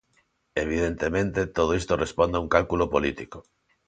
Evidentemente, todo isto responde a un cálculo político.